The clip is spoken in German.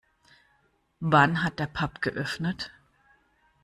Wann hat der Pub geöffnet?